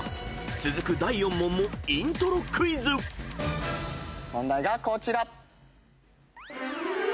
［続く第４問もイントロクイズ］問題がこちら。